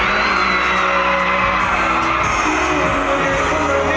พบฉันเพราะมันก็ไม่ได้